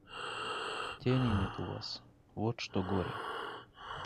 Тени нет у вас, вот что горе.